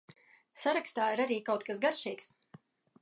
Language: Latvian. Sarakstā ir arī kaut kas garšīgs.